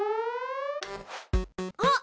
あっ！